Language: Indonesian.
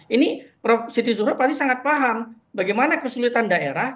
ini prof siti zuhro pasti sangat paham bagaimana kesulitan daerah